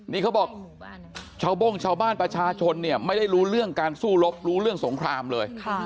นี่เขาบอกชาวโบ้งชาวบ้านประชาชนเนี่ยไม่ได้รู้เรื่องการสู้รบรู้เรื่องสงครามเลย